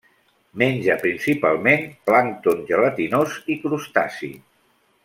Menja principalment plàncton gelatinós i crustaci.